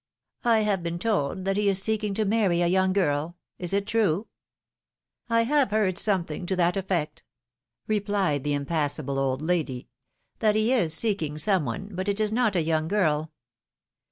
I have been told that he is seeking to marry a young girl; is it true have heard something to that effect,^^ replied the impassible old lady, ^^that he is seeking some one, but it is not a young girl.